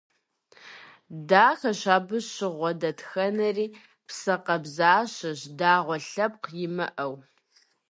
Дахэщ абы щыгъуэ дэтхэнэри, псэ къабзащэщ, дагъуэ лъэпкъ имыӀэу.